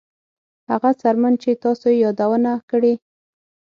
هغه څرمن چې تاسو یې یادونه کړې